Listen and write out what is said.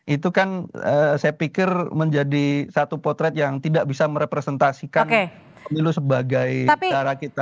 itu kan saya pikir menjadi satu potret yang tidak bisa merepresentasikan milu sebagai cara kita